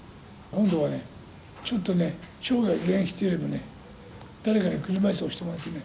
今度はね、ちょっとね生涯現役というよりも誰かに車椅子を押してもらってね